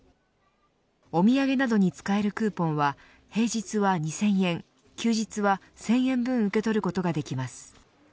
おみやげなどに使えるクーポンは平日は２０００円休日は１０００円分受け取ることができます。